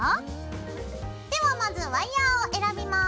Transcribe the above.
ではまずワイヤーを選びます。